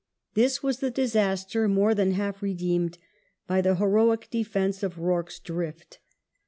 This was the disaster more than half redeemed by the heroic defence of Rorke's Drift.